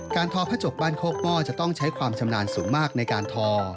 ทอผ้าจกบ้านโคกหม้อจะต้องใช้ความชำนาญสูงมากในการทอ